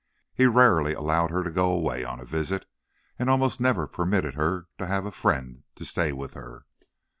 He rarely allowed her to go away on a visit, and almost never permitted her to have a friend to stay with her.